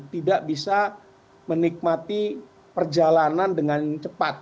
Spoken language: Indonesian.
tidak bisa menikmati perjalanan dengan cepat